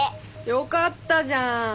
よかったじゃん！